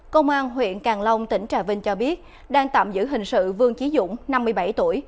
công an huyện càng long tỉnh trà vinh cho biết đang tạm giữ hình sự vương trí dũng năm mươi bảy tuổi